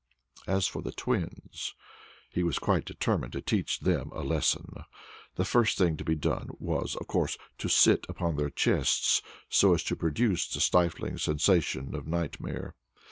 As for the twins, he was quite determined to teach them a lesson. The first thing to be done was, of course, to sit upon their chests, so as to produce the stifling sensation of nightmare.